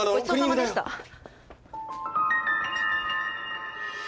ごちそうさまでした。